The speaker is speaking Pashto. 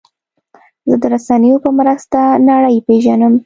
زه د رسنیو په مرسته نړۍ پېژنم.